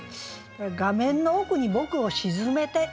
「画面の奥に僕を沈めて」。